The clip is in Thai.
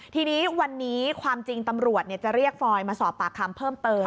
ทีนี้วันนี้ความจริงตำรวจจะเรียกฟอยมาสอบปากคำเพิ่มเติม